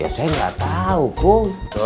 ya saya gak tau kum